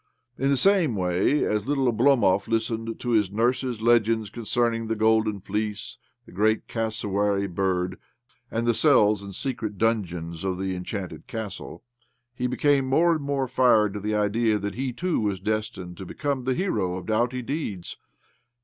In the Same way, as little Oblomov listened to his nurse's legends concerning the Golden іГІеесе, the great Cassowary Birid, and the cells and secret dungeons of the Enchanted Castle, he became more and more fired to the idea that he too was destined to become the hero of doughty deeds.